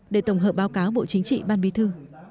để tổng hợp báo cáo bộ chính trị ban bí thư